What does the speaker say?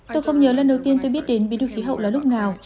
tôi không nhớ lần đầu tiên tôi biết đến biến đổi khí hậu là lúc nào